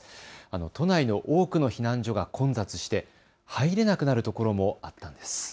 都内の多くの避難所が混雑して入れなくなるところもあったんです。